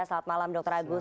selamat malam dr agus